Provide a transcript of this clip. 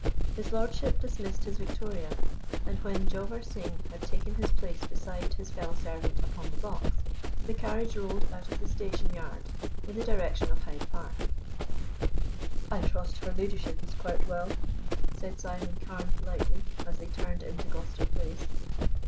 His lordship dismissed his victoria, and when Jowur Singh had taken his place beside his fellow servant upon the box, the carriage rolled out of the station yard in the direction of Hyde Park. "I trust her ladyship is quite well," said Simon Carne politely, as they turned into Gloucester Place.